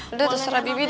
udah terserah bibi deh